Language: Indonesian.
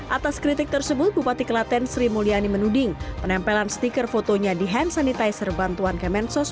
atas kritik tersebut bupati kelaten sri mulyani menuding penempelan stiker fotonya di hand sanitizer bantuan kemensos